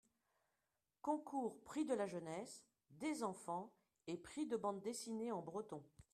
concours Prix de la Jeunesse, des enfants, et prix de bandes-dessinées en breton.